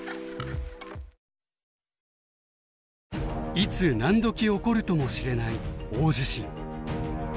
いつ何どき起こるとも知れない大地震。